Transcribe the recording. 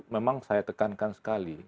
memang saya tekankan sekali